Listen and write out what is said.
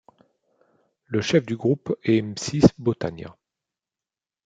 Le chef du groupe est Msis Botania.